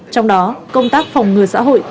trong đó công tác phòng ngừa xã hội